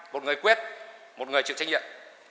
một người quyết một người chịu trách nhiệm